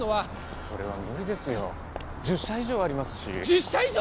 それは無理ですよ１０社以上ありますし１０社以上！？